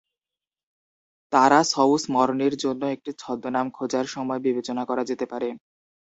তারা "সউস মর্নি"র জন্য একটি ছদ্মনাম খোঁজার সময় বিবেচনা করা যেতে পারে।